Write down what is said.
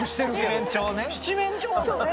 七面鳥ね。